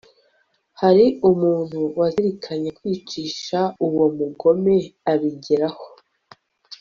hari umuntu wazirikanye kwicisha uwo mugome abigeraho